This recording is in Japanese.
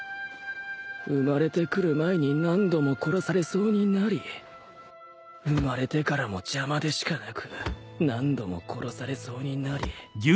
生まれてくる前に何度も殺されそうになり生まれてからも邪魔でしかなく何度も殺されそうになり